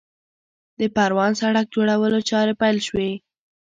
د پروان سړک جوړولو چارې پیل شوې